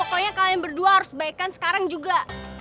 pokoknya kalian berdua harus baikkan sekarang juga